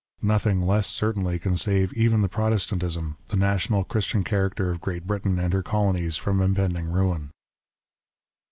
Nothing less, certainly, can save even the Protestantism, the national, Christian character of Great Britain and her colonies from impending ruin.